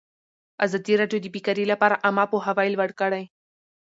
ازادي راډیو د بیکاري لپاره عامه پوهاوي لوړ کړی.